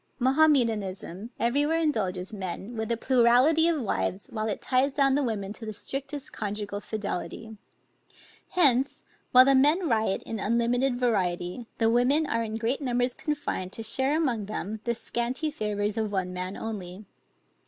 Mahometanism every where indulges men with a plurality of wives while it ties down the women to the strictest conjugal fidelity; hence, while the men riot in unlimited variety, the women are in great numbers confined to share among them the scanty favors of one man only.